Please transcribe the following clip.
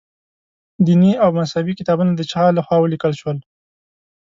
دیني او مذهبي کتابونه د چا له خوا ولیکل شول.